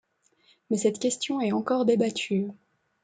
Mais cette question est encore débattue.